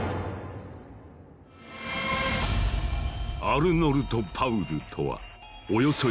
アルノルト・パウルとはおよそ